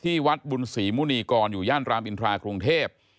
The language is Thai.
วัดบุญศรีมุณีกรอยู่ย่านรามอินทรากรุงเทพ